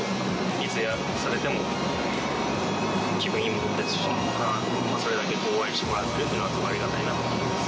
いつされても、気分いいものですし、それだけ応援してもらってるのは、すごくありがたいなと思います。